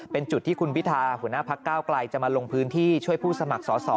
เป็นจุดที่คุณพิธาหัวหน้าพักก้าวไกลจะมาลงพื้นที่ช่วยผู้สมัครสอสอ